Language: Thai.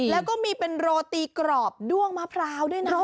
แล้วก็มีเป็นโรตีกรอบด้วงมะพร้าวด้วยนะ